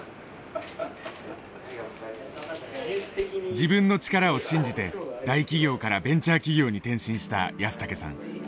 自分の力を信じて大企業からベンチャー企業に転身した安竹さん。